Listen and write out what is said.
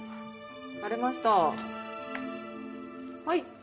はい。